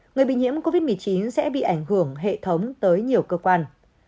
người bị nhiễm covid một mươi chín sẽ bị ảnh hưởng hệ thống tới nhiều cơ quan